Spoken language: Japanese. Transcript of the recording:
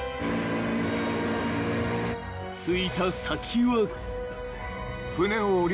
［着いた先は］